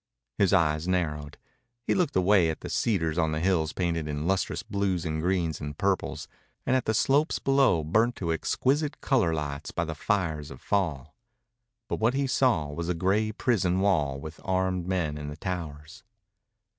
His eyes narrowed. He looked away at the cedars on the hills painted in lustrous blues and greens and purples, and at the slopes below burnt to exquisite color lights by the fires of fall. But what he saw was a gray prison wall with armed men in the towers.